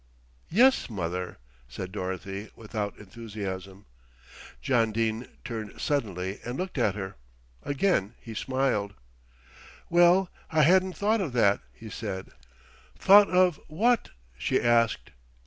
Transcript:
"Yes, mother," said Dorothy without enthusiasm. John Dene turned suddenly and looked at her. Again he smiled. "Why, I hadn't thought of that," he said. "Thought of what?" she asked.